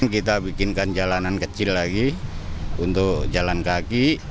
kita bikinkan jalanan kecil lagi untuk jalan kaki